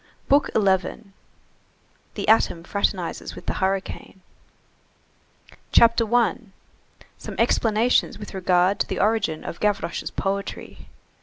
BOOK ELEVENTH—THE ATOM FRATERNIZES WITH THE HURRICANE CHAPTER I—SOME EXPLANATIONS WITH REGARD TO THE ORIGIN OF GAVROCHE'S POETRY.